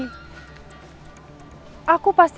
aku tidak mungkin mengikirkan janji